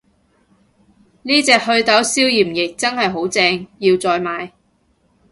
呢隻袪痘消炎液真係好正，要再買